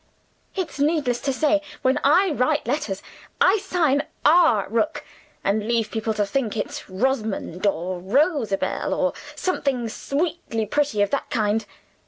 It's needless to say, when I write letters, I sign R. Rook and leave people to think it's Rosamond, or Rosabelle, or something sweetly pretty of that kind.